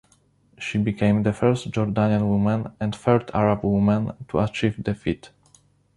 She became the first Jordanian woman and third Arab woman to achieve the feat.